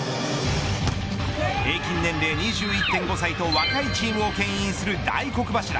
平均年齢２１．５歳と若いチームをけん引する大黒柱